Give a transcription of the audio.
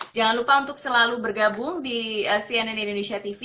jangan lupa untuk selalu bergabung di cnn indonesia tv